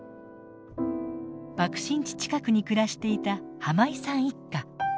爆心地近くに暮らしていた井さん一家。